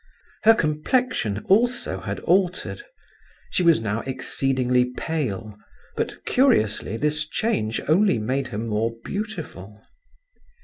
Her complexion also had altered. She was now exceedingly pale, but, curiously, this change only made her more beautiful.